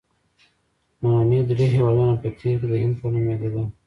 ننني درې هېوادونه په تېر کې د هند په نوم یادیدل.